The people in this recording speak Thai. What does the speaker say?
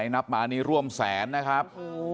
นับไปร่วมแสนนะครับ